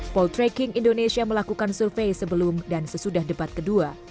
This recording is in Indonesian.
poltreking indonesia melakukan survei sebelum dan sesudah debat kedua